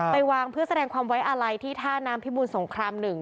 ไปวางเพื่อแสดงความไว้อาลัยที่ท่าน้ำพิบูรสงคราม๑